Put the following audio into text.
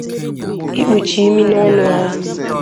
ikpuchi imi na ọnụ ha